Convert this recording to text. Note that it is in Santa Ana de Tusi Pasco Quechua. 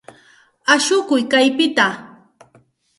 Ashukuy kaypita.